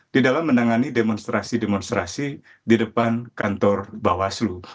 di dalam menangani demonstrasi demonstrasi di depan kantor bawaslu